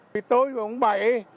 thì tôi và ông bảy